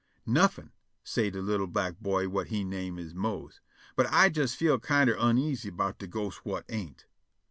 "Nuffin," say' de li'l' black boy whut he name is Mose; "but I jes feel kinder oneasy 'bout de ghosts whut ain't."